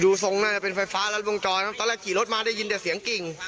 ทรงน่าจะเป็นไฟฟ้ารัดวงจรตอนแรกขี่รถมาได้ยินแต่เสียงกิ่ง